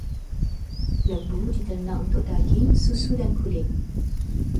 Lembu diternak untuk daging, susu dan kulit.